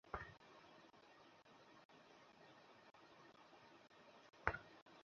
তাহলে, আমরা কোন ব্যাপারে কথা বলছি?